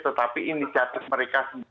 tetapi inisiatif mereka